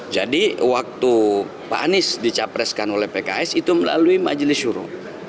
jadi waktu pak anies dicapreskan oleh pks itu melalui majelis syuro